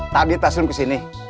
tadi taslim kesini